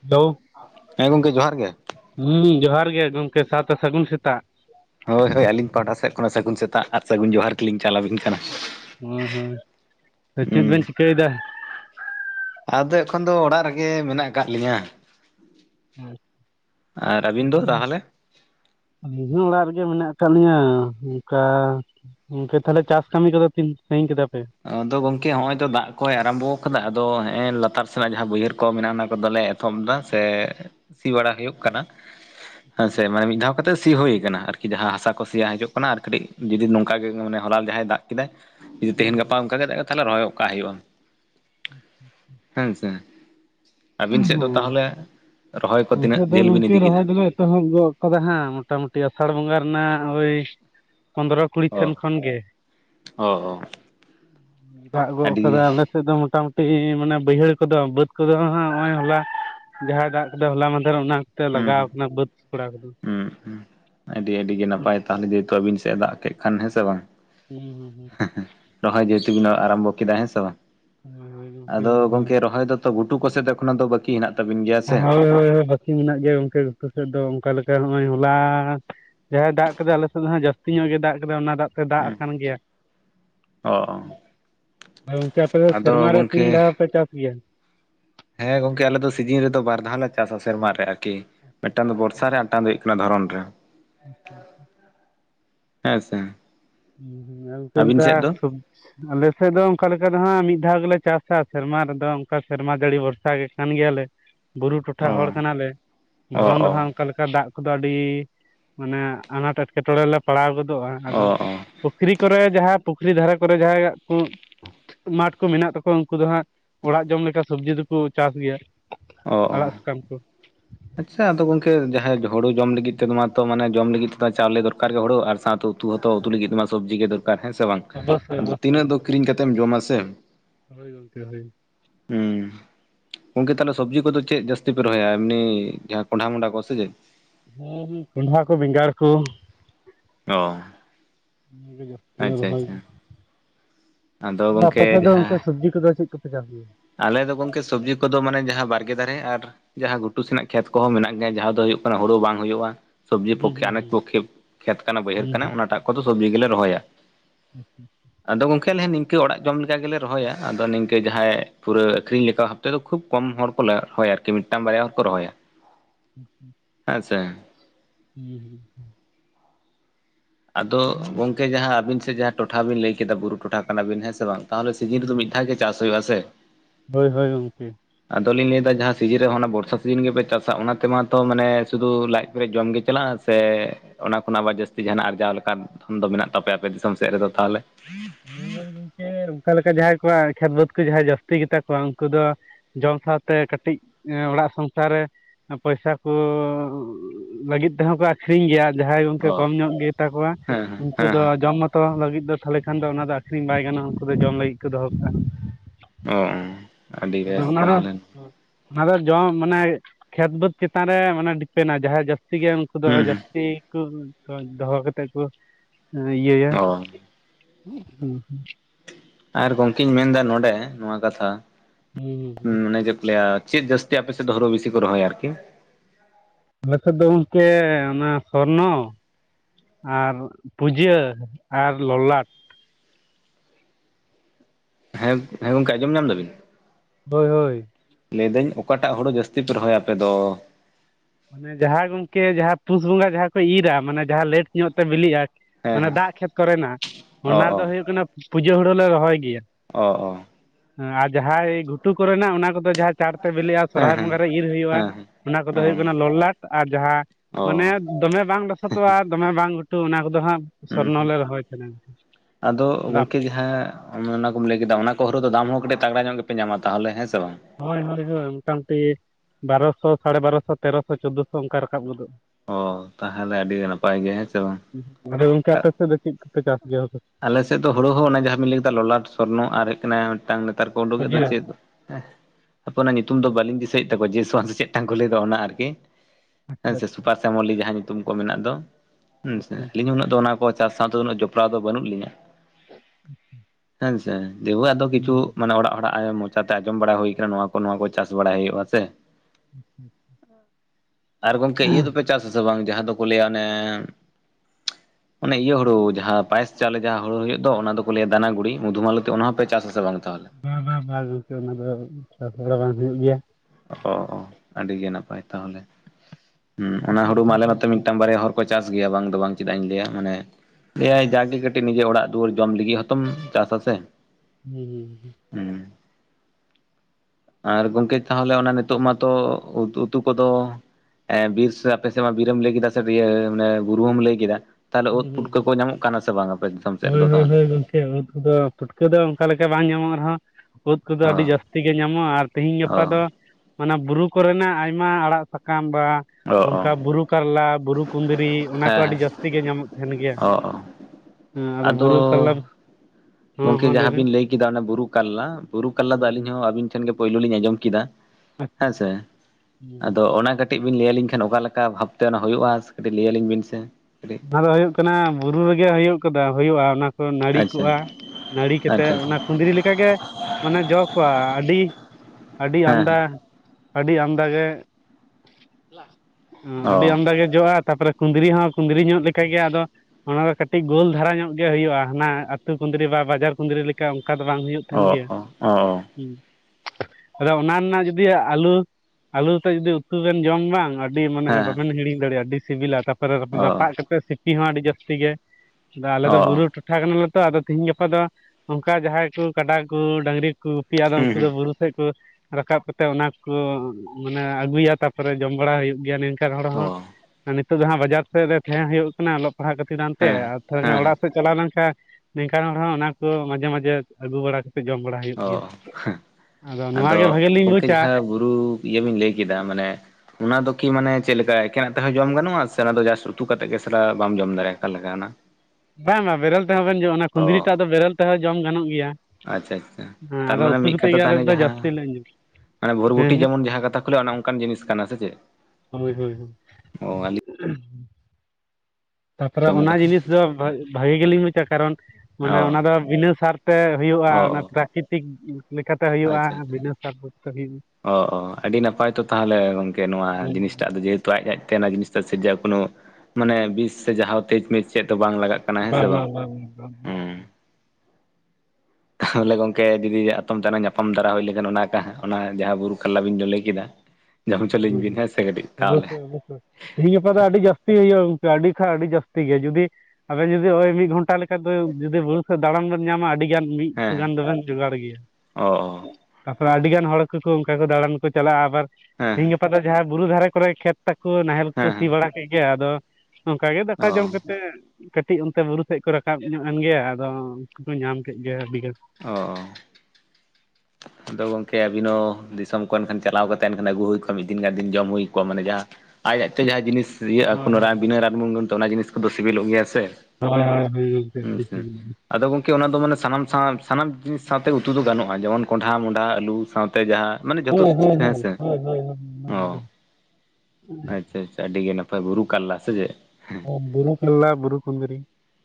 [inaudible] ᱦᱮᱸ ᱜᱚᱝᱠᱮ ᱡᱚᱦᱟᱨ ᱜᱮ ᱦᱮᱸ ᱡᱚᱦᱟᱨ ᱜᱮ ᱜᱚᱢᱠᱮ ᱥᱟᱶᱛᱟ ᱥᱟᱹᱜᱩᱱ ᱥᱮᱛᱟᱜ ᱦᱳᱭ ᱦᱳᱭ ᱟᱹᱞᱤᱧ ᱯᱟᱦᱴᱟ ᱥᱮᱫ ᱠᱷᱚᱱ ᱥᱟᱹᱜᱩᱱ ᱥᱮᱛᱟᱜ ᱟᱨ ᱥᱟᱹᱜᱩᱱ ᱡᱚᱦᱟᱨ ᱜᱮᱞᱤᱧ ᱪᱟᱞᱟ ᱟᱵᱤᱱ ᱠᱟᱱᱟ ᱦᱮᱸ ᱠᱟᱹᱭᱫᱟ ᱟᱫᱚ ᱮᱠᱷᱚᱱ ᱫᱚ ᱚᱲᱟᱜ ᱨᱮᱜᱮ ᱢᱮᱱᱟᱜ ᱟᱠᱟᱫ ᱞᱤᱧᱟᱹ ᱟᱨ ᱦᱮᱸ ᱟᱹᱵᱤᱱ ᱫᱚ ᱛᱟᱦᱚᱞᱮ ᱟᱹᱞᱤᱧ ᱦᱚᱸ ᱚᱲᱟᱜ ᱨᱮᱜᱮ ᱢᱮᱱᱟᱜ ᱟᱠᱟᱫ ᱞᱤᱧᱟᱹ ᱚᱱᱠᱟ ᱜᱚᱝᱠᱮ ᱛᱟᱦᱞᱮ ᱪᱟᱥ ᱠᱟᱹᱢᱤ ᱠᱚᱫᱚ ᱛᱤᱱ ᱥᱟᱺᱜᱤᱧ ᱠᱮᱫᱟ ᱯᱮ? ᱟᱫᱚ ᱜᱚᱝᱠᱮ ᱦᱚᱜ ᱚᱭ ᱛᱚ ᱫᱟᱜ ᱠᱚᱭ ᱟᱨᱟᱢᱵᱚ ᱠᱟᱫᱟ ᱟᱫᱚ ᱦᱮᱹᱜ ᱮ ᱞᱟᱛᱟᱨ ᱥᱮᱱᱟᱜ ᱡᱟᱦᱟᱸ ᱵᱟᱹᱭᱦᱟᱹᱨ ᱠᱚ ᱢᱮᱱᱟᱜᱼᱟ ᱚᱱᱟ ᱠᱚᱫᱚᱞᱮ ᱮ ᱛᱷᱚᱯ ᱫᱟ ᱥᱮ ᱥᱤ ᱵᱟᱲᱟ ᱦᱩᱭᱩᱜ ᱠᱟᱱᱟ ᱦᱮᱸ ᱥᱮ ᱢᱤᱫ ᱫᱷᱟᱣ ᱠᱟᱛᱮ ᱥᱤ ᱦᱳᱭ ᱠᱟᱱᱟ ᱟᱨᱠᱤ ᱡᱟᱦᱟᱸ ᱦᱟᱥᱟ ᱠᱚ ᱥᱤᱭᱟ ᱦᱤᱡᱩᱜ ᱠᱟᱱᱟ ᱟᱨ ᱠᱟᱹᱴᱤᱡ ᱡᱩᱫᱤ ᱱᱚᱝᱠᱟ ᱜᱮ ᱢᱟᱱᱮ ᱦᱚᱞᱟ ᱡᱟᱦᱟᱸᱭ ᱫᱟᱜ ᱠᱮᱫᱟᱭ [inaudible] ᱛᱮᱦᱮᱱ ᱜᱟᱯᱟ ᱚᱝᱠᱟᱜᱮ [unintelligible] ᱛᱟᱦᱞᱮ ᱨᱚᱦᱚᱭᱚᱜ ᱠᱟᱜ ᱦᱳᱭᱳᱜᱼᱟ ᱾ [inaudible] ᱦᱮᱸᱥᱮ ᱟᱹᱵᱤᱱ ᱥᱮᱜ ᱫᱚ ᱛᱟᱦᱚᱞᱮ ᱨᱚᱦᱚᱭ ᱠᱚ ᱛᱤᱱᱟᱹᱜ ᱡᱷᱟᱹᱞ ᱵᱤᱱ ᱤᱫᱤ ᱠᱮᱫᱟ? [unintelligible] ᱠᱚᱫᱚ ᱦᱟᱸᱜ ᱢᱚᱴᱟᱢᱩᱴᱤ ᱟᱥᱟᱲ ᱵᱚᱸᱜᱟ ᱨᱮᱱᱟᱜ ᱳᱭ ᱯᱚᱱᱨᱚ ᱠᱩᱲᱤ ᱠᱷᱟᱹᱱ ᱚ ᱠᱷᱚᱱ ᱜᱮ ᱚ ᱚ ᱫᱟᱜ ᱜᱚᱜ ᱠᱟᱫᱟ ᱟᱹᱰᱤ ᱟᱞᱮ ᱥᱮᱫ ᱫᱚ ᱢᱚᱴᱟᱢᱩᱴᱤ [unintelligible] ᱢᱟᱱᱮ ᱵᱟᱹᱭᱦᱟᱹᱲ ᱠᱚᱫᱚ ᱵᱟᱹᱫᱽ ᱠᱚᱫᱚ ᱦᱟᱸᱜ ᱦᱚᱜᱼᱚᱭ ᱦᱚᱞᱟ ᱡᱟᱦᱟᱸᱭ ᱫᱟᱜ ᱠᱚᱫᱚ ᱦᱚᱞᱟ ᱢᱟᱫᱷᱮᱨ ᱚᱱᱟ ᱛᱮ ᱦᱩᱸ ᱞᱟᱜᱟᱣ ᱦᱩᱸ ᱠᱟᱱᱟ ᱵᱟᱹᱫᱽ ᱠᱚ ᱯᱚᱲᱟ ᱠᱚᱫᱚ ᱦᱩᱸ ᱦᱩᱸ ᱟᱹᱰᱤ ᱟᱹᱰᱤ ᱜᱮ ᱱᱟᱯᱟᱭ ᱛᱟᱦᱚᱞᱮ ᱡᱮᱦᱮᱛᱩ ᱟᱵᱤᱱ ᱥᱮᱜ ᱫᱟᱜ ᱠᱮᱜ ᱠᱷᱟᱱ ᱦᱮᱸ ᱥᱮ ᱵᱟᱝ ᱦᱩᱸ ᱦᱩᱸ ᱦᱮᱦᱮ ᱨᱚᱦᱚᱭ [unintelligible] ᱟᱨᱟᱢᱵᱚ ᱠᱮᱫᱟ ᱦᱮᱸ ᱥᱮ ᱵᱟᱝ ᱦᱳᱭ ᱜᱚᱢᱠᱮ ᱟᱫᱚ ᱜᱚᱝᱠᱮ ᱨᱚᱦᱚᱭ ᱫᱚ ᱛᱚ ᱜᱷᱩᱴᱩ ᱠᱚ ᱥᱮᱫ ᱮᱠᱠᱷᱱᱚ ᱫᱚ ᱵᱟᱹᱠᱤ ᱦᱮᱱᱟᱜ ᱛᱟᱵᱤᱱ ᱜᱮᱭᱟ ᱥᱮ ᱦᱳᱭ ᱦᱳᱭ ᱦᱳᱭ ᱵᱟᱹᱠᱤ ᱢᱮᱱᱟᱜ ᱜᱮᱭᱟ ᱜᱚᱝᱠᱮ ᱴᱩ ᱥᱮᱫ ᱫᱚ ᱚᱝᱠᱟ ᱞᱮᱠᱟ ᱱᱚᱜᱼᱚᱭ ᱦᱚᱞᱟ ᱡᱟᱦᱟᱸᱭ ᱫᱟᱜ ᱠᱟᱫᱟᱭ ᱟᱞᱮ ᱥᱮᱫ ᱫᱚᱜ ᱡᱟᱹᱥᱛᱤ ᱧᱚᱜ ᱜᱮᱭ ᱫᱟᱜ ᱠᱮᱫᱟᱭ ᱚᱱᱟ ᱫᱟᱜ ᱛᱮ ᱫᱟᱜ ᱦᱩᱸ ᱠᱟᱱ ᱜᱮᱭᱟ ᱚ ᱚ ᱜᱚᱝᱠᱮ ᱟᱯᱮ ᱫᱚ ᱟᱫᱚ ᱥᱮᱨᱢᱟᱨᱮ ᱛᱤᱱ ᱜᱚᱝᱠᱮ ᱫᱷᱟᱣ ᱯᱮ ᱪᱟᱥ ᱜᱮᱭᱟ ᱦᱮᱸ ᱜᱚᱝᱠᱮ ᱟᱞᱮ ᱫᱚ ᱥᱤᱡᱤᱱ ᱨᱮᱫᱚ ᱵᱟᱨ ᱫᱷᱟᱣ ᱞᱮ ᱪᱟᱥᱟ ᱥᱮᱨᱢᱟ ᱨᱮ ᱟᱨᱠᱤ ᱢᱤᱫᱴᱟᱝ ᱫᱚ ᱵᱚᱨᱥᱟ ᱨᱮ ᱟᱴᱟᱝ ᱫᱚ ᱦᱳᱭᱳᱜ ᱠᱟᱱᱟ ᱫᱷᱚᱨᱚᱱ ᱨᱮ [inaudible] ᱦᱮᱸ ᱥᱮ ᱦᱩᱸ [unintelligible] ᱟᱹᱵᱤᱱ ᱚᱱᱠᱟ ᱥᱮᱫ ᱫᱚ ᱥᱚᱵ ᱟᱞᱮ ᱥᱮᱜ ᱫᱚ ᱚᱝᱠᱟ ᱞᱮᱠᱟ ᱫᱚ ᱦᱟᱸᱜ ᱢᱤᱫ ᱫᱷᱟᱣ ᱜᱮᱞᱮ ᱪᱟᱥᱟ ᱥᱮᱨᱢᱟ ᱨᱮᱫᱚ ᱚᱝᱠᱟ ᱥᱮᱨᱢᱟ ᱡᱟᱹᱲᱤ ᱵᱷᱚᱨᱥᱟ ᱜᱮ ᱠᱟᱱ ᱜᱮᱭᱟᱞᱮ ᱵᱩᱨᱩ ᱴᱚᱴᱷᱟ ᱚ ᱦᱚᱲ ᱠᱟᱱᱟᱞᱮ ᱚ ᱫᱷᱚᱨᱚᱱ ᱫᱚ ᱚ ᱦᱟᱸᱜ ᱚᱝᱠᱟ ᱞᱮᱠᱟ ᱫᱟᱜ ᱠᱚᱫᱚ ᱟᱹᱰᱤ ᱢᱟᱱᱮ ᱟᱱᱟᱴ ᱮᱴᱠᱮᱴᱚᱬᱮ ᱨᱮ ᱞᱮ ᱯᱟᱲᱟᱣ ᱜᱚᱫᱚᱜᱼᱟ ᱚ ᱟᱫᱚ ᱚ ᱯᱩᱠᱷᱨᱤ ᱠᱚᱨᱮ ᱡᱟᱦᱟᱸ ᱯᱩᱠᱷᱨᱤ ᱫᱷᱟᱨᱮ ᱠᱚᱨᱮ ᱡᱟᱦᱟᱸᱭᱟᱜ ᱠᱚ ᱢᱟᱴᱷ ᱠᱚ ᱢᱮᱱᱟᱜ ᱛᱟᱠᱚᱣᱟ ᱩᱱᱠᱩ ᱫᱚ ᱦᱟᱸᱜ ᱚᱲᱟᱜ ᱡᱚᱢ ᱞᱮᱠᱟ ᱥᱚᱵᱡᱤ ᱫᱚᱠᱚ ᱪᱟᱥ ᱜᱮᱭᱟ ᱚ ᱟᱲᱟᱜ ᱚ ᱥᱟᱠᱟᱢ ᱠᱚ ᱟᱪᱪᱷᱟ ᱟᱫᱚ ᱜᱚᱝᱠᱮ ᱡᱟᱦᱟᱭ ᱦᱳᱲᱳ ᱡᱚᱢ ᱞᱟᱹᱜᱤᱫ ᱛᱮᱫᱚ ᱢᱟᱛᱚ ᱢᱟᱱᱮ ᱡᱚᱢ ᱞᱟᱹᱜᱤᱫ ᱛᱮᱫᱚ ᱪᱟᱣᱞᱮ ᱫᱚᱨᱠᱟᱨ ᱜᱮ ᱦᱳᱲᱳ ᱟᱨ ᱥᱟᱶᱛᱮ ᱩᱛ ᱛᱩ ᱟᱛᱚ ᱩᱛᱩ ᱞᱟᱹᱜᱤᱜ ᱢᱟ ᱥᱚᱵᱡᱤ ᱜᱮ ᱫᱚᱠᱟᱨ ᱦᱮᱸ ᱥᱮ ᱵᱟᱝ? ᱚᱵᱚᱥᱥᱳᱭ ᱟᱫᱚ ᱚᱵᱚᱥᱥᱳᱭ ᱛᱤᱱᱟᱹᱜ ᱫᱚ ᱠᱤᱨᱤᱧ ᱜᱚᱝᱠᱮ ᱠᱟᱛᱮᱢ ᱡᱚᱢᱟ ᱥᱮ ᱦᱳᱭ ᱜᱚᱝᱠᱮ ᱦᱳᱭ ᱦᱮᱸ ᱦᱩᱸ ᱜᱚᱝᱠᱮ ᱛᱟᱦᱚᱞᱮ ᱥᱚᱵᱽᱡᱤ ᱠᱚᱫᱚ ᱪᱮᱜ ᱡᱟᱹᱥᱛᱤ ᱯᱮ ᱨᱚᱦᱚᱭᱟ ᱮᱢᱱᱤ ᱡᱟᱸᱦᱟ ᱠᱚᱸᱰᱷᱟ ᱢᱚᱰᱟ ᱠᱚ ᱥᱮ ᱪᱮᱜ? ᱦᱩᱸ ᱦᱩᱸ ᱠᱚᱸᱰᱷᱟ ᱠᱚ ᱵᱮᱸᱜᱟᱲ ᱠᱳ ᱚ ᱱᱤᱭᱜᱮ ᱡᱟᱹᱥᱛᱤ ᱞᱮ ᱟᱪᱪᱷᱟ ᱨᱚᱦᱚᱭ ᱟᱪᱪᱷᱟ ᱟᱫᱚ ᱟᱯᱮ ᱜᱚᱝᱠᱮ ᱥᱮᱜ ᱫᱚ ᱡᱟᱦᱟᱸ ᱜᱚᱝᱠᱮ ᱥᱚᱵᱽᱡᱤ ᱠᱚᱫᱚ ᱪᱮᱜ ᱠᱚᱯᱮ ᱪᱟᱥ ᱜᱮᱭᱟ ᱟᱞᱮ ᱫᱚ ᱜᱚᱝᱠᱮ ᱥᱚᱵᱽᱡᱤ ᱠᱚᱫᱚ ᱢᱟᱱᱮ ᱡᱟᱦᱟᱸ ᱵᱟᱨᱜᱮ ᱫᱷᱟᱨᱮ ᱟᱨ ᱡᱟᱦᱟᱸ ᱜᱷᱩᱴᱩ ᱥᱮᱱᱟᱜ ᱠᱷᱮᱛ ᱠᱚᱦᱚᱸ ᱢᱮᱱᱟᱜ ᱜᱮᱭᱟ ᱡᱟᱦᱟᱸ ᱫᱚ ᱦᱳᱭᱳᱜ ᱠᱟᱱᱟ ᱦᱳᱲᱳ ᱵᱟᱝ ᱦᱳᱭᱳᱜᱼᱟ ᱥᱚᱵᱽᱡᱤ ᱦᱩᱸ ᱯᱚᱠᱠᱷᱮ ᱦᱩᱸ ᱟᱱᱟᱪ ᱦᱩᱸ ᱯᱚᱠᱠᱷᱮ ᱠᱷᱮᱛ ᱠᱟᱱᱟ ᱵᱟᱹᱭᱦᱟᱹᱲ ᱦᱩᱸ ᱠᱟᱱᱟ ᱦᱩᱸ ᱚᱱᱟᱴᱟᱜ ᱠᱚᱫᱚ ᱥᱚᱵᱽᱡᱤ ᱜᱮᱞᱮ ᱨᱚᱦᱚᱭᱟ [inaudible] ᱟᱫᱚ ᱜᱚᱝᱠᱮ ᱱᱮ ᱱᱤᱝᱠᱟᱹ ᱚᱲᱟᱜ ᱡᱚᱢ ᱞᱮᱠᱟ ᱜᱮᱞᱮ ᱨᱚᱦᱚᱭᱟ ᱟᱫᱚ ᱱᱤᱝᱠᱟᱹ ᱡᱟᱦᱟᱸᱭ ᱯᱩᱨᱟᱹ ᱟᱹᱠᱷᱨᱤᱧ ᱞᱮᱠᱟ ᱵᱷᱟᱛᱮ ᱫᱚ ᱠᱷᱩᱵ ᱠᱚᱢ ᱦᱚᱲ ᱠᱚ ᱨᱚᱦᱚᱭᱟ ᱟᱨᱠᱤ ᱢᱤᱫᱴᱟᱝ ᱵᱟᱨᱭᱟ ᱦᱚᱲ ᱠᱚ ᱨᱚᱦᱚᱭᱟ [inaudible] ᱦᱮᱸ ᱥᱮ [inaudible] ᱟᱫᱚ ᱦᱩᱸ ᱦᱩᱸ ᱜᱚᱝᱠᱮ ᱡᱟᱦᱟᱸ ᱟᱵᱤᱱ ᱥᱮᱫ ᱡᱟᱦᱟᱸ ᱴᱚᱴᱷᱟ ᱵᱤᱱ ᱞᱟᱹᱭ ᱠᱮᱫᱟ ᱵᱩᱨᱩ ᱴᱚᱴᱷᱟ ᱠᱟᱱᱟᱵᱤᱱ ᱦᱮᱸ ᱥᱮ ᱵᱟᱝ ᱛᱟᱦᱚᱞᱮ ᱥᱤᱡᱤᱱ ᱦᱩᱸ ᱨᱮᱫᱚ ᱢᱤᱫ ᱦᱩᱸ ᱫᱷᱟᱣ ᱜᱮ ᱪᱟᱥ ᱦᱩᱭᱩᱜ ᱟᱥᱮ ᱦᱳᱭ ᱦᱳᱭ ᱜᱚᱝᱠᱮ ᱟᱫᱚᱞᱤᱧ ᱞᱟᱹᱭ ᱫᱟ ᱡᱟᱦᱟᱸ ᱥᱤᱡᱤᱱ ᱨᱮ ᱚᱱᱟ ᱵᱚᱨᱥᱟ ᱥᱤᱡᱤᱱ ᱜᱮᱯᱮ ᱪᱟᱥᱟ ᱚᱱᱟ ᱛᱮᱢᱟᱛᱚ ᱢᱟᱱᱮ ᱥᱩᱫᱷᱩ ᱞᱟᱡ ᱯᱮᱨᱮᱡᱽ ᱡᱚᱢ ᱜᱮ ᱪᱟᱞᱟᱜᱼᱟ ᱥᱮ ᱚᱱᱟ ᱠᱷᱚᱱᱟᱜ ᱟᱵᱟᱨ ᱡᱟᱹᱥᱛᱤ ᱡᱟᱦᱟᱱᱟᱜ ᱟᱨᱡᱟᱣ ᱞᱮᱠᱟᱱ ᱫᱷᱚᱱ ᱫᱚ ᱢᱮᱱᱟᱜ ᱛᱟᱯᱮᱭᱟ ᱟᱯᱮ ᱫᱤᱥᱚᱢ ᱥᱮᱫ ᱨᱮᱫᱚ ᱛᱟᱦᱚᱞᱮ ᱧᱮᱞ ᱵᱮᱱ ᱜᱚᱝᱠᱮ ᱚᱱᱠᱟ ᱞᱮᱠᱟ ᱡᱟᱦᱟᱸᱭ ᱠᱚᱣᱟᱜ ᱠᱷᱮᱛ ᱵᱟᱹᱫᱽ ᱠᱚ ᱡᱟᱦᱟᱸᱭ ᱡᱟᱹᱥᱛᱤ ᱜᱮᱛᱟ ᱠᱚᱣᱟ ᱩᱱᱠᱩ ᱫᱚ ᱡᱚᱢ ᱥᱟᱶᱛᱮ ᱠᱟᱹᱴᱤᱡ ᱚᱲᱟᱜ ᱥᱚᱝᱥᱟᱨ ᱨᱮ ᱯᱚᱭᱥᱟ ᱠᱚ ᱞᱟᱹᱜᱤᱫ ᱛᱮᱦᱚᱸ ᱠᱚ [inaudible] ᱠᱷᱨᱤᱧ ᱜᱮᱭᱟ ᱡᱟᱦᱟᱸᱭ ᱜᱚᱝᱠᱮ ᱚ ᱠᱚᱢ ᱧᱚᱜ ᱜᱮᱛᱟ ᱠᱚᱣᱟ ᱦᱮᱸ ᱦᱮᱸ ᱩᱝᱠᱩ ᱦᱮᱸ ᱫᱚ ᱦᱮᱸ ᱡᱚᱢ ᱢᱚᱛᱚ ᱞᱟᱹᱜᱤᱜ ᱫᱚ ᱛᱟᱦᱞᱮ ᱠᱷᱟᱱ ᱫᱚ ᱚᱱᱟ ᱫᱚ ᱟᱠᱠᱷᱨᱤᱧ ᱵᱟᱭ ᱜᱟᱱᱚᱜᱼᱟ ᱩᱝᱠᱩ ᱫᱚ ᱡᱚᱢ ᱞᱟᱹᱜᱤᱛ ᱠᱚ ᱫᱚᱦᱚ ᱠᱟᱜᱼᱟ ᱾ ᱚ ᱟᱹᱰᱤ ᱵᱮᱥ ᱛᱟᱦᱚᱞᱮ [unintelligible] ᱚᱱᱟ ᱫᱚ ᱡᱚᱢ ᱢᱟᱱᱮ ᱠᱷᱮᱛ ᱵᱟᱹᱫᱽ ᱪᱮᱛᱟᱱ ᱨᱮ ᱢᱟᱱᱮ ᱰᱤᱯᱮᱱᱟᱭ ᱡᱟᱦᱟᱸᱭ ᱡᱟᱹᱥᱛᱤ ᱜᱮᱭᱟ ᱠᱩᱫᱚ ᱦᱩᱸ ᱦᱩᱸ ᱡᱟᱹᱥᱛᱤ ᱠᱚ ᱫᱚᱦᱚ ᱠᱟᱛᱮ ᱠᱚ ᱤᱭᱟᱹᱭᱟ ᱚ [inaudible] ᱟᱨ ᱜᱚᱝᱠᱮᱧ ᱢᱮᱱᱫᱟ ᱱᱚᱰᱮ ᱱᱚᱣᱟ ᱠᱟᱛᱷᱟ ᱦᱩᱸ ᱦᱩᱸ ᱢᱟᱱᱮ ᱪᱮᱫ ᱠᱚ ᱞᱟᱹᱭᱟ ᱪᱤᱫ ᱡᱟᱹᱥᱛᱤ ᱟᱯᱮ ᱥᱮᱫ ᱫᱚ ᱦᱳᱲᱳ ᱵᱮᱥᱤ ᱠᱚ ᱨᱚᱦᱚᱭᱟ ᱟᱨᱠᱤ ᱟᱞᱮᱥᱮᱫ ᱫᱚ ᱜᱚᱝᱠᱮ ᱚᱱᱟ ᱥᱚᱨᱱᱚ ᱟᱨ ᱯᱩᱡᱟᱹ ᱟᱨ ᱞᱚᱞᱟᱴ ᱦᱮᱸ ᱦᱮᱸ ᱜᱚᱝᱠᱮ ᱟᱡᱸᱚᱢ ᱧᱟᱢ ᱫᱟ ᱵᱤᱱ ᱦᱳᱭ ᱦᱳᱭ ᱞᱟᱹᱭ ᱫᱟᱹᱧ ᱚᱠᱟᱴᱟᱜ ᱦᱩᱲᱩ ᱡᱟᱹᱥᱛᱤ ᱯᱮ ᱨᱚᱦᱚᱭᱟ ᱟᱯᱮ ᱫᱚ ᱢᱟᱱᱮ ᱡᱟᱦᱟᱸ ᱜᱚᱝᱠᱮ ᱡᱟᱦᱟᱸ ᱯᱩᱥ ᱵᱚᱸᱜᱟ ᱡᱟᱦᱟᱸ ᱠᱚ ᱤᱨᱟ ᱢᱟᱱᱮ ᱡᱟᱦᱟᱸ ᱞᱮᱴ ᱧᱚᱜ ᱛᱮ ᱵᱤᱞᱤᱜᱼᱟ ᱦᱮᱸ ᱚᱱᱟ ᱦᱮᱸ ᱫᱟᱜ ᱠᱷᱮᱛ ᱠᱚᱨᱮᱱᱟᱜ ᱚ ᱚᱱᱟ ᱨᱮᱫᱚ ᱚ ᱦᱩᱭᱩᱜ ᱠᱟᱱᱟ ᱯᱩᱡᱟᱹ ᱦᱩᱲᱩ ᱞᱮ ᱨᱚᱦᱚᱭ ᱜᱮᱭᱟ ᱚ ᱚ ᱟᱨ ᱡᱟᱦᱟᱸᱭ ᱜᱷᱩᱴᱩ ᱠᱚᱨᱮᱱᱟᱜ ᱚᱱᱟ ᱠᱚᱫᱚ ᱡᱟᱦᱟᱸ ᱪᱟᱲ ᱛᱮ ᱵᱤᱞᱤᱜᱼᱟ ᱦᱮᱸ ᱥᱚᱨᱦᱟᱭ ᱦᱮᱸ ᱵᱚᱸᱜᱟ ᱨᱮ ᱤᱨ ᱦᱩᱭᱩᱜᱼᱟ ᱦᱮᱸ ᱚᱱᱟ ᱠᱚᱫᱚ ᱦᱩᱭᱩᱜ ᱦᱮᱸ ᱠᱟᱱᱟ ᱞᱚᱞᱟᱴ ᱟᱨ ᱡᱟᱦᱟᱸ ᱚ ᱢᱟᱱᱮ ᱚ ᱫᱚᱢᱮ ᱵᱟᱝ ᱞᱚᱥᱚᱫᱚᱜᱼᱟ ᱫᱚᱢᱮ ᱵᱟᱝ ᱜᱷᱩᱴᱩ ᱚᱱᱟ ᱠᱚᱫᱚ ᱦᱟᱸᱜ ᱦᱩᱸ ᱥᱚᱨᱱᱚ ᱦᱩᱸ ᱞᱮ ᱨᱚᱦᱚᱭ ᱦᱮᱸ ᱚᱱᱟ ᱠᱚᱢ ᱞᱟᱹᱭ ᱠᱮᱫᱟ ᱚᱱᱟ ᱠᱚ ᱦᱳᱨᱳ ᱫᱚ ᱫᱟᱢ ᱦᱚᱸ ᱠᱟᱹᱴᱤᱡ ᱛᱟᱜᱽᱟ ᱧᱚᱜ ᱜᱮᱯᱮ ᱧᱟᱢᱟ ᱛᱟᱦᱚᱞᱮ ᱦᱮᱸ ᱥᱮ ᱵᱟᱝ ᱦᱳᱭ ᱦᱳᱭ ᱦᱳᱭ ᱢᱚᱴᱟᱢᱩᱴᱤ ᱵᱟᱨᱚᱥᱚ ᱥᱟᱲᱮ ᱵᱟᱨᱚᱥᱚ ᱛᱮᱨᱚᱥᱚ ᱪᱳᱫᱫᱳ ᱚ ᱛᱟᱦᱚᱞᱮ ᱟᱹᱰᱤ ᱱᱟᱯᱟᱭ ᱜᱮ ᱦᱮᱸ ᱥᱮ ᱵᱟᱝ ᱟᱫᱚ ᱜᱚᱝᱠᱮ ᱟᱯᱮ ᱥᱮᱫ ᱫᱚ ᱪᱮᱫ ᱠᱚᱯᱮ ᱪᱟᱥ ᱜᱮᱭᱟ ᱟᱞᱮᱥᱮᱫ ᱫᱚ ᱦᱩᱲᱩ ᱦᱚᱸ ᱚᱱᱮ ᱡᱟᱦᱟᱸ ᱵᱤᱱ ᱞᱟᱹᱭ ᱠᱮᱫᱟ ᱞᱚᱞᱟᱴ ᱥᱚᱨᱱᱚ ᱟᱨ ᱠᱟᱱᱟ ᱢᱤᱫᱴᱟᱝ ᱱᱮᱛᱟᱨ ᱠᱚ ᱩᱰᱩᱠᱮᱫ ᱫᱚ ᱟᱪᱪᱷᱟ ᱪᱮᱫ ᱦᱮᱸ ᱚᱱᱟ ᱧᱩᱛᱩᱢ ᱫᱚ ᱵᱟᱹᱞᱤᱧ ᱫᱤᱥᱟᱹᱭᱮᱫ ᱛᱟᱠᱚᱣᱟ ᱪᱮᱫᱴᱟᱱ ᱠᱚ ᱞᱟᱹᱭᱫᱚ ᱚᱱᱟ ᱟᱨᱠᱤ ᱦᱮᱸ ᱥᱮ ᱥᱩᱯᱟᱨ ᱥᱟᱢᱚᱞᱤ ᱡᱟᱦᱟᱸ ᱧᱩᱛᱩᱢ ᱠᱚ ᱢᱮᱱᱟᱜ ᱫᱚ ᱟᱪᱪᱷᱟ ᱟᱹᱞᱤᱧ ᱦᱚᱸ ᱩᱱᱟᱹᱜ ᱫᱚ ᱚᱱᱟ ᱪᱟᱥ ᱥᱟᱶᱛᱮ ᱫᱚ ᱩᱱᱟᱹᱜ ᱡᱚᱯᱲᱟᱣ ᱫᱚ ᱵᱟᱹᱱᱩᱜ ᱞᱤᱧᱟ ᱦᱮᱸᱥᱮ ᱫᱤᱠᱩ ᱠᱤᱪᱷᱩ ᱢᱟᱱᱮ ᱚᱲᱟᱜ ᱚᱲᱟᱜ ᱢᱚᱪᱟᱛᱮ ᱟᱸᱚᱢ ᱵᱟᱲᱟ ᱦᱩᱭ ᱠᱟᱱᱟ ᱱᱚᱣᱟ ᱠᱚ ᱱᱚᱣᱟ ᱠᱚ ᱪᱟᱥ ᱵᱟᱲᱟᱭ ᱦᱩᱭᱩᱜ ᱟᱥᱮ [inaudible] [inaudible] ᱟᱨ ᱜᱚᱝᱠᱮ ᱤᱭᱟᱹ ᱫᱚᱯᱮ ᱪᱟᱥ ᱟᱥᱮ ᱵᱟᱝ ᱡᱟᱦᱟᱸ ᱫᱚᱠᱚ ᱞᱟᱹᱭᱟ ᱚᱱᱮ ᱚᱱᱮ ᱤᱭᱟᱹ ᱦᱩᱲᱩ ᱡᱟᱦᱟᱸ ᱯᱟᱭᱮᱥ ᱪᱟᱣᱞᱮ ᱡᱟᱦᱟᱸ ᱦᱳᱲᱩ ᱦᱩᱭᱩᱜ ᱫᱚ ᱚᱱᱟ ᱫᱚᱠᱚ ᱞᱟᱹᱭᱟ ᱫᱟᱱᱟ ᱜᱩᱲᱤ ᱢᱚᱫᱷᱩᱢᱟᱞᱚᱛᱤ ᱚᱱᱟ ᱦᱚᱸᱯᱮ ᱪᱟᱥ ᱟᱥᱮ ᱵᱟᱝ ᱛᱟᱦᱚᱞᱮ ᱜᱚᱝᱠᱮ ᱚᱱᱟ ᱫᱚ ᱪᱟᱥ ᱵᱟᱲᱟ ᱵᱟᱝ ᱦᱩᱭᱩᱜ ᱜᱮᱭᱟ ᱚ ᱚ ᱚ ᱟᱹᱰᱤ ᱜᱮ ᱱᱟᱯᱟᱭ ᱛᱟᱦᱚᱞᱮ ᱟᱯᱮ ᱚᱱᱟ ᱥᱮᱫ ᱠᱚ ᱦᱩᱲᱩ ᱢᱟ ᱪᱟᱥ ᱟᱞᱮ ᱜᱮᱭᱟ ᱱᱚᱛᱮ ᱥᱮ ᱪᱮᱫ ᱢᱤᱫᱴᱟᱝ ᱵᱟᱨᱭᱟ ᱦᱚᱲ ᱪᱟᱥ ᱜᱮᱭᱟ ᱵᱟᱝ ᱫᱚ ᱵᱟᱝ ᱪᱮᱫᱟᱜ ᱤᱧ ᱞᱟᱹᱭᱟ ᱢᱟᱱᱮ ᱞᱟᱹᱭ ᱟᱭ ᱡᱟᱜᱮ ᱱᱤᱡᱮ ᱚᱲᱟᱜ ᱫᱩᱣᱟᱹᱨ ᱡᱚᱢ ᱞᱟᱹᱜᱤᱫ ᱦᱚᱸᱛᱚᱢ ᱪᱟᱥ ᱟᱥᱮ ᱦᱩᱸ ᱦᱮᱸ ᱟᱨ ᱜᱚᱝᱠᱮ ᱛᱟᱦᱚᱞᱮ ᱚᱱᱟ ᱱᱤᱛᱚᱜ ᱢᱟᱛᱚ ᱩᱛᱩ ᱠᱚᱫᱚ ᱵᱤᱨ ᱟᱯᱮ ᱥᱮᱫ ᱢᱟ ᱵᱤᱨᱢ ᱞᱟᱹᱭ ᱠᱮᱫᱟ ᱥᱮ ᱵᱩᱨᱩ ᱦᱚᱸᱢ ᱞᱟᱹᱭ ᱠᱮᱫᱟ ᱛᱟᱦᱚᱞᱮ ᱩᱫ ᱦᱩᱸ ᱦᱩᱸ ᱯᱩᱴᱠᱟᱹ ᱦᱩᱸ ᱠᱚ ᱧᱟᱢᱚᱜ ᱠᱟᱱᱟ ᱥᱮ ᱵᱟᱝ ᱟᱯᱮ ᱫᱤᱥᱚᱢ ᱥᱮᱫ ᱨᱮᱫᱚ ᱛᱟᱦᱚᱞᱮ ᱩᱫᱠᱚᱫᱚ ᱯᱷᱩᱴᱠᱟᱹ ᱫᱚ ᱚᱱᱠᱟ ᱞᱮᱠᱟ ᱵᱟᱝ ᱧᱟᱢᱚᱜ ᱨᱮᱦᱚᱸ ᱩᱫ ᱠᱚᱫᱚ ᱟᱹᱰᱤ ᱚ ᱡᱟᱹᱥᱛᱤ ᱜᱮ ᱧᱟᱢᱚᱜᱼᱟ ᱟᱨ ᱛᱤᱦᱤᱧ ᱚ ᱜᱟᱯᱟ ᱫᱚ ᱚᱱᱟ ᱵᱩᱨᱩ ᱠᱚᱨᱮᱱᱟᱜ ᱟᱭᱢᱟ ᱟᱲᱟᱜ ᱥᱟᱠᱟᱢ ᱵᱟ ᱚ ᱚ ᱚᱱᱠᱟ ᱵᱩᱨᱩ ᱠᱟᱨᱞᱟ ᱵᱩᱨᱩ ᱠᱩᱸᱫᱽᱨᱤ ᱚᱱᱟ ᱠᱚ ᱦᱮᱸ ᱟᱹᱰᱤ ᱦᱮᱸ ᱡᱟᱹᱥᱛᱤ ᱡᱟᱹᱥᱛᱤ ᱜᱮ ᱧᱟᱢᱚᱜ ᱛᱟᱦᱮᱱ ᱜᱮᱭᱟ ᱚ ᱚ ᱦᱮᱸ ᱟᱫᱚ ᱵᱩᱨᱩ ᱠᱷᱚᱜ ᱞᱮ ᱜᱚᱝᱠᱮ ᱡᱟᱦᱟᱸ ᱵᱤᱱ ᱞᱟᱹᱭ ᱠᱮᱫᱟ ᱚᱱᱟ ᱵᱩᱨᱩ ᱠᱟᱨᱞᱟ ᱵᱩᱨᱩ ᱠᱟᱨᱞᱟ ᱫᱚ ᱦᱩᱸ ᱦᱩᱸ ᱟᱹᱞᱤᱧ ᱦᱚᱸ ᱟᱹᱵᱤᱱ ᱴᱷᱮᱱ ᱜᱮ ᱯᱳᱭᱞᱳ ᱞᱤᱧ ᱟᱸᱡᱚᱢ ᱠᱮᱫᱟ ᱦᱮᱸᱥᱮ ᱦᱩᱸ ᱟᱫᱚ ᱚᱱᱟ [unintelligible] ᱵᱤᱱ ᱠᱟᱹᱴᱤᱡ ᱞᱟᱹᱭ ᱟᱞᱤᱧ ᱠᱷᱟᱱ ᱚᱠᱟ ᱞᱮᱠᱟ ᱵᱷᱟᱵᱽᱛᱮ ᱚᱱᱟ ᱦᱩᱭᱩᱜᱼᱟ ᱠᱟᱹᱴᱤᱡ ᱞᱟᱹᱭ ᱟᱞᱤᱧ ᱵᱤᱱ ᱥᱮ ᱦᱩᱸ᱾ ᱚᱱᱟ ᱫᱚ ᱦᱩᱭᱩᱜ ᱠᱟᱱᱟ ᱵᱩᱨᱩ ᱨᱮᱜᱮ ᱦᱩᱭᱩᱜ ᱠᱟᱱᱟ ᱦᱩᱭᱩᱜᱼᱟ ᱚᱱᱟ ᱠᱚ ᱱᱟᱹᱲᱤ ᱟᱪᱪᱷᱟ ᱠᱚᱜᱼᱟ ᱱᱟᱹᱲᱤ ᱟᱪᱪᱷᱟ ᱠᱟᱛᱮᱜ ᱟᱪᱪᱷᱟ ᱚᱱᱟ ᱠᱩᱸᱫᱽᱨᱤ ᱞᱮᱠᱟ ᱜᱮ ᱢᱟᱱᱮ ᱡᱚ ᱠᱚᱣᱟ ᱟᱹᱰᱤ ᱟᱹᱰᱤ ᱦᱮᱸ ᱟᱢᱫᱟ ᱦᱮᱸ ᱟᱹᱰᱤ ᱟᱢᱫᱟ ᱜᱮ ᱚ ᱟᱹᱰᱤ ᱟᱢᱫᱟ ᱜᱮ ᱡᱚᱜᱼᱟ ᱛᱟᱯᱚᱨᱮ ᱠᱩᱸᱫᱽᱨᱤ ᱦᱚᱸ ᱠᱩᱸᱫᱽᱨᱤ ᱧᱚᱜ ᱞᱮᱠᱟᱜᱮ ᱟᱫᱚ ᱚᱱᱟ ᱫᱚ ᱠᱟᱹᱴᱤᱡ ᱜᱳᱞ ᱫᱷᱟᱨᱟ ᱧᱚᱜ ᱜᱮ ᱦᱩᱭᱩᱜᱼᱟ ᱦᱟᱱᱟ ᱟᱹᱛᱩ ᱠᱩᱸᱫᱽᱨᱤ ᱵᱟᱡᱟᱨ ᱠᱩᱸᱫᱽᱨᱤ ᱞᱮᱠᱟ ᱚᱱᱠᱟ ᱫᱚ ᱵᱟᱝ ᱦᱩᱭᱩᱜ ᱠᱟᱱᱟ ᱚ ᱴᱮᱱ ᱜᱮᱭᱟ ᱚ ᱚ ᱦᱮᱸ ᱟᱫᱚ ᱚᱱᱟ ᱨᱮᱱᱟᱜ ᱡᱩᱫᱤ ᱟᱹᱞᱩ ᱟᱹᱞᱩᱛᱮ ᱡᱩᱫᱤ ᱩᱛᱩ ᱵᱮᱱ ᱡᱚᱢ ᱵᱟᱝ ᱟᱹᱰᱤ ᱢᱟᱱᱮ ᱦᱮᱸ ᱵᱟᱵᱮᱱ ᱦᱤᱲᱤᱧ ᱫᱟᱲᱮᱭᱟᱜᱼᱟ ᱟᱹᱰᱤ ᱥᱤᱵᱤᱞᱟ ᱛᱟᱨᱯᱚᱨᱮ ᱚ ᱨᱟᱯᱟᱜ ᱠᱟᱛᱮᱫ ᱥᱤᱯᱤ ᱦᱚᱸ ᱟᱹᱰᱤ ᱡᱟᱹᱥᱛᱤ ᱜᱮ ᱟᱫᱚ ᱟᱞᱮ ᱫᱚ ᱚ ᱵᱩᱨᱩ ᱴᱚᱴᱷᱟ ᱠᱟᱱᱟᱞᱮ ᱛᱚ ᱟᱫᱚ ᱛᱤᱦᱮᱧ ᱜᱟᱯᱟ ᱫᱚ ᱚᱱᱠᱟ ᱡᱟᱦᱟᱸᱭ ᱠᱩ ᱠᱟᱰᱟ ᱠᱚ ᱰᱟᱹᱝᱨᱤ ᱠᱩ ᱜᱚᱯᱤᱭᱟ ᱫᱚ ᱦᱩᱸ ᱩᱱᱠᱩ ᱦᱩᱸ ᱫᱚ ᱵᱩᱨᱩ ᱥᱮᱫ ᱠᱩ ᱨᱟᱠᱟᱵ ᱠᱟᱛᱮᱜ ᱚᱱᱟ ᱠᱚ ᱢᱟᱱᱮ ᱟᱹᱜᱩᱭᱟ ᱛᱟᱯᱚᱨᱮ ᱡᱚᱢ ᱵᱟᱲᱟ ᱦᱩᱭᱩᱜ ᱜᱮᱭᱟ᱾ ᱱᱤᱝ ᱦᱚᱲ ᱚ ᱦᱚᱸ ᱱᱤᱛᱚᱜ ᱫᱚ ᱦᱟᱸᱜ ᱵᱟᱡᱟᱨ ᱥᱮᱫ ᱨᱮ ᱛᱟᱦᱮᱸ ᱦᱩᱭᱩᱜ ᱠᱟᱱᱟ ᱚᱞᱚᱜ ᱯᱟᱲᱦᱟᱜ ᱠᱷᱛᱤᱨ ᱦᱟᱱᱛᱮ ᱦᱮᱸ ᱛᱟᱦᱚᱞᱮ ᱦᱮᱸ ᱦᱮᱸ ᱚᱲᱟᱜ ᱥᱮᱫ ᱪᱟᱞᱟᱣ ᱞᱮᱱᱠᱷᱟᱱ ᱱᱤᱝᱠᱟᱱ ᱦᱚᱸᱲ ᱚᱱᱟ ᱠᱚ ᱢᱟᱡᱷᱮ ᱢᱟᱡᱷᱮ ᱟᱹᱜᱩ ᱵᱟᱲᱟ ᱡᱚᱢ ᱵᱟᱲᱟ ᱦᱩᱭᱩᱜ ᱚ ᱜᱮᱭᱟ ᱦᱮᱸ ᱟᱫᱚ ᱱᱚᱶᱟ ᱜᱮ ᱵᱷᱟᱜᱮ ᱞᱤᱧ ᱜᱚᱝᱠᱮ ᱵᱩᱡᱟ ᱡᱟᱦᱟᱸ ᱵᱩᱨᱩ ᱤᱭᱟᱹ ᱵᱤᱱ ᱞᱟᱹᱭ ᱠᱮᱫᱟ ᱢᱟᱱᱮ ᱚᱱᱟ ᱫᱚ ᱠᱤ ᱢᱟᱱᱮ ᱪᱮᱫ ᱞᱮᱠᱟ ᱮᱠᱮᱱᱟᱜ ᱛᱮᱦᱚᱸ ᱡᱚᱢ ᱜᱟᱱᱚᱜᱼᱟ ᱥᱮ ᱚᱱᱟ ᱡᱟᱥ ᱩᱛᱩ ᱠᱟᱛᱮ ᱜᱮ ᱪᱟᱲᱟ ᱵᱟᱢ ᱡᱚᱢ ᱫᱟᱲᱮᱭᱟᱜᱼᱟ? ᱟᱠᱟ ᱞᱮᱠᱟᱱᱟᱜ? ᱵᱟᱝ ᱱᱟᱝ ᱵᱮᱨᱮᱞ ᱛᱮᱦᱚᱸ ᱵᱮᱱ ᱡᱚᱢᱼᱟ ᱚᱱᱟ ᱠᱷᱩᱸᱫᱽᱨᱤ ᱚ ᱴᱟᱜ ᱫᱚ ᱵᱮᱨᱮᱞ ᱛᱮᱦᱚᱸ ᱡᱚᱢ ᱜᱟᱱᱚᱜ ᱜᱮᱭᱟ᱾ ᱟᱪᱪᱷᱟ ᱟᱪᱪᱷᱟ [inaudible] ᱦᱮᱸ ᱟᱫᱚ ᱛᱟᱨᱢᱟᱱᱮ ᱩᱛᱩ ᱢᱤᱫ ᱠᱟᱛᱮ ᱠᱟᱛᱷᱟ ᱜᱮ ᱟᱞᱮ ᱛᱟᱦᱚᱞᱮ ᱫᱚ ᱡᱟᱦᱟᱸ ᱡᱟᱹᱥᱛᱤ ᱞᱮ ᱧᱩᱭ ᱢᱟᱱᱮ ᱵᱷᱚᱨᱵᱩᱴᱤ ᱡᱮᱢᱚᱱ ᱡᱟᱦᱟᱸ ᱠᱟᱛᱷᱟ ᱠᱷᱩ ᱞᱟᱹᱭᱼᱟ ᱚᱱᱠᱟᱱ ᱡᱤᱱᱤᱥ ᱠᱟᱱᱟ ᱥᱮ ᱪᱮᱫ? ᱦᱳᱭ ᱦᱳᱭ ᱚ ᱟᱹᱞᱤᱧ ᱦᱳᱭ [unintelligible] ᱛᱟᱯᱚᱨᱮ ᱟᱸᱡᱚᱢ ᱚᱱᱟ ᱠᱟᱫᱟ ᱡᱤᱱᱤᱥ ᱫᱚ ᱵᱷᱟᱹᱜᱤ ᱜᱮᱞᱤᱧ ᱵᱩᱡᱟ ᱠᱟᱨᱚᱱ ᱢᱟᱱᱮ ᱚ ᱚᱱᱟ ᱫᱚ ᱵᱤᱱᱟᱹ ᱥᱟᱨ ᱛᱮ ᱦᱩᱭᱩᱜᱼᱟ ᱚ ᱚᱱᱟ ᱚ ᱯᱨᱟᱠᱨᱤᱛᱤᱠ ᱞᱮᱠᱟᱛ ᱛᱮ ᱦᱩᱭᱩᱜᱼᱟ ᱟᱪᱪᱷᱟ ᱟᱪᱪᱷᱟ ᱵᱤᱱᱟ ᱥᱟᱨ ᱛᱮ ᱦᱩᱭᱩᱜᱼᱟ ᱚ ᱚ ᱟᱹᱰᱤ ᱱᱟᱯᱟᱭ ᱛᱚ ᱛᱟᱦᱚᱞᱮ ᱜᱚᱝᱠᱮ ᱱᱚᱣᱟ ᱡᱤᱱᱤᱥ ᱦᱩᱭᱩᱜᱼᱟ ᱴᱟᱜ ᱫᱚ ᱡᱮ ᱟᱡ ᱟᱡ ᱛᱮ ᱡᱤᱱᱤᱥ ᱠᱳᱱᱳ ᱢᱟᱱᱮ ᱵᱤᱥ ᱥᱮ ᱡᱟᱦᱟᱸ ᱛᱮᱢ ᱪᱮᱫ ᱵᱟᱝ ᱞᱟᱜᱟᱜ ᱠᱟᱱᱟ ᱦᱮᱸ ᱥᱮ ᱵᱟᱝ ᱦᱮᱸ ᱛᱚᱞᱮ ᱜᱚᱢᱠᱮ ᱡᱩᱫᱤ ᱟᱛᱚᱢ ᱛᱟᱭᱚᱢ ᱧᱟᱯᱟᱢ ᱫᱷᱟᱨᱟ ᱦᱩᱭ ᱞᱮᱱᱠᱷᱟᱱ ᱚᱱᱟᱠᱟ ᱚᱱᱟ ᱡᱟᱦᱟᱸ ᱵᱩᱨᱩ ᱠᱟᱨᱞᱟ ᱵᱤᱱ ᱞᱟᱹᱭ ᱠᱮᱫᱟ ᱡᱚᱢ ᱦᱚᱪᱚ ᱞᱤᱧ ᱵᱤᱱ ᱦᱮᱸ ᱥᱮ ᱠᱟᱹᱴᱤᱡ ᱛᱟᱦᱚᱞᱮ [unintelligible] ᱛᱮᱦᱮᱧ ᱜᱟᱯᱟ ᱟᱹᱰᱤ ᱡᱟᱹᱥᱛᱤ ᱦᱩᱭᱩᱜᱼᱟ ᱜᱚᱢᱠᱮ ᱟᱹᱰᱤ ᱠᱷᱟᱱ ᱟᱹᱰᱤ ᱡᱟᱹᱥᱛᱤ ᱜᱮ ᱡᱩᱫᱤ ᱟᱵᱮᱱ ᱡᱩᱫᱤ ᱚᱭ ᱢᱤᱫ ᱜᱷᱚᱱᱴᱟ ᱞᱮ ᱵᱟᱠᱟᱱ ᱫᱚ ᱡᱩᱫᱤ ᱵᱩᱨᱩ ᱥᱮᱫ ᱫᱟᱬᱟᱱ ᱵᱱ ᱧᱟᱢᱟ ᱟᱹᱰᱤ ᱜᱟᱱ ᱢᱤᱫ ᱩᱛᱩ ᱦᱮᱸ ᱜᱟᱱ ᱫᱚᱵᱮᱱ ᱡᱚᱜᱟᱲ ᱜᱮᱭᱟ᱾ ᱚ ᱚ ᱦᱚᱲ ᱟᱹᱰᱤᱜᱟᱱ ᱦᱚᱲ ᱠᱚᱠᱚ ᱚᱱᱠᱟ ᱠᱚ ᱫᱟᱬᱟᱱ ᱠᱚ ᱪᱟᱞᱟᱜᱼᱟ ᱟᱵᱟᱨ ᱦᱮᱸ ᱛᱤᱦᱮᱧ ᱜᱟᱯᱟ ᱫᱚ ᱡᱟᱦᱟᱸᱭ ᱵᱩᱨᱩ ᱫᱷᱟᱨᱮ ᱠᱚᱨᱮ ᱠᱷᱮᱛ ᱛᱟᱠᱚ ᱱᱟᱦᱮᱞ ᱠᱚ ᱦᱮᱸ ᱥᱤ ᱦᱮᱸ ᱵᱟᱲᱟ ᱠᱮᱫ ᱜᱮᱭᱟ ᱟᱫᱚ ᱚᱱᱠᱟ ᱜᱮ ᱚ ᱫᱟᱠᱟ ᱡᱚᱢ ᱠᱟᱛᱮᱫ ᱠᱟᱹᱴᱤᱡ ᱚᱱᱛᱮ ᱵᱩᱨᱩ ᱥᱮᱫ ᱠᱚ ᱨᱟᱠᱟᱵ ᱧᱚᱜ ᱮᱱ ᱜᱮᱭᱟ ᱟᱫᱚ ᱩᱱᱠᱩ ᱠᱚ ᱧᱟᱢ ᱠᱮᱫ ᱜᱮᱟ. ᱰᱤ ᱜᱟᱱ ᱦᱚᱻ ᱟᱫᱚ ᱜᱚᱝᱠᱮ ᱟᱹᱵᱤᱱᱚ ᱫᱤᱥᱚᱢ ᱠᱚ ᱮᱱᱠᱷᱚᱱ ᱪᱟᱞᱟᱣ ᱠᱟᱛᱮᱫ ᱮᱱᱠᱷᱟᱱ ᱟᱹᱜᱩ ᱦᱩᱭ ᱠᱚᱜᱼᱟ ᱢᱤᱫ ᱫᱤᱱ ᱜᱟᱱ ᱡᱚᱢ ᱦᱩᱭ ᱠᱚᱜᱼᱟ ᱢᱟᱱᱮ ᱡᱟᱦᱟᱸ ᱟᱡ ᱟᱡ ᱛᱮ ᱡᱟᱦᱟᱸ ᱡᱤᱱᱤᱥ ᱦᱳᱭ ᱤᱭᱟᱹᱜᱼᱟ ᱠᱳᱱᱳ ᱦᱳᱭ ᱦᱳᱭ ᱨᱟᱱ ᱵᱤᱱᱟᱹ ᱨᱟᱱ ᱢᱩᱨᱜᱟᱹᱱᱛᱮ ᱚᱱᱟ ᱡᱤᱱᱤᱥ ᱠᱚᱫᱚ ᱥᱤᱵᱤᱞᱚᱜ ᱜᱮᱭᱟ ᱥᱮ ᱦᱚᱭ ᱦᱚᱭ ᱦᱳᱭ ᱜᱚᱝᱠᱮ ᱦᱩᱸ ᱟᱹᱰᱤ ᱥᱮ ᱥᱤᱵᱤᱞ ᱜᱮ ᱟᱫᱚ ᱜᱚᱝᱠᱮ ᱚᱱᱟ ᱫᱚ ᱢᱟᱱᱮ ᱥᱟᱱᱟᱢ ᱥᱟᱶ ᱥᱟᱱᱟᱢ ᱡᱤᱱᱤᱥ ᱥᱟᱶᱛᱮ ᱩᱛᱩ ᱫᱚ ᱜᱟᱱᱚᱜᱼᱟ ᱡᱮᱢᱚᱱ ᱠᱚᱸᱰᱷᱟ ᱢᱚᱸᱰᱷᱟ ᱟᱹᱞᱩ ᱥᱟᱶ ᱛᱮ ᱡᱟᱦᱟᱸ ᱢᱟᱱᱮ ᱡᱚᱛᱚ ᱦᱮᱸᱥᱮ ᱦᱳᱭ ᱦᱳᱭ ᱚ ᱦᱳᱭ ᱟᱪᱷᱟ ᱟᱪᱷᱟ ᱟᱹᱰᱤᱜᱮ ᱱᱟᱯᱟᱭ ᱵᱩᱨᱩ ᱠᱟᱨᱞᱟ ᱥᱮ ᱪᱮᱫ ᱦᱚᱸ ᱵᱩᱨᱩ ᱠᱳᱨᱞᱟ ᱵᱩᱨᱩ ᱠᱩᱸᱫᱽᱨᱤ